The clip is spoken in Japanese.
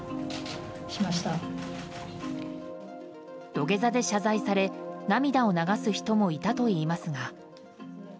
土下座で謝罪され涙を流す人もいたといいますが。